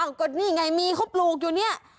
ก็นี่ไงมีเขาปลูกอยู่เนี่ย